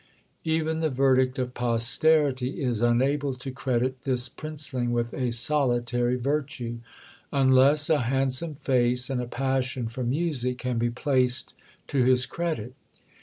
Even the verdict of posterity is unable to credit this Princeling with a solitary virtue, unless a handsome face and a passion for music can be placed to his credit.